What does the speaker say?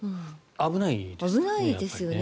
危ないですよね。